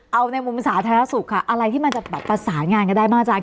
เอาในมุมสาธารณสุขค่ะอะไรที่มันจะแบบประสานงานกันได้บ้างอาจารย